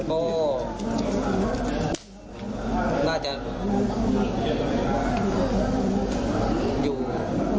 อยู่